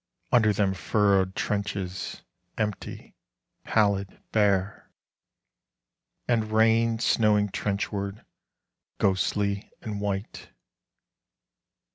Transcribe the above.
Under them furrowed trenches empty, pallid, bare.... And rain snowing trenchward ghostly and white.